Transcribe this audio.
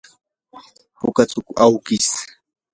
puka chuku awkish.